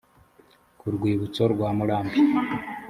ku rwibutso rwa murambi